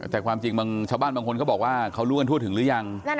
แต่ความจริงบางชาวบ้านบางคนเขาบอกว่าเขารู้กันทั่วถึงหรือยัง